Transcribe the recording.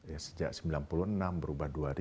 ya sejak sembilan puluh enam berubah